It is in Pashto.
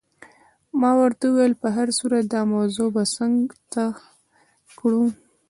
ما ورته وویل: په هر صورت دا موضوع به څنګ ته کړو.